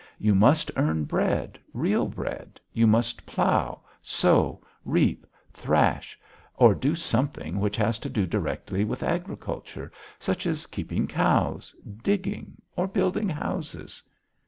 You must earn bread, real bread, you must plough, sow, reap, thrash, or do something which has to do directly with agriculture, such as keeping cows, digging, or building houses...."